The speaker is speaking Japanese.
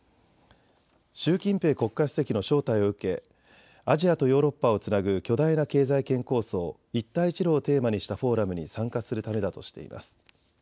習近平国家主席の招待を受けアジアとヨーロッパをつなぐ巨大な経済圏構想、一帯一路をテーマにしたフォーラムに参加するためだとしています。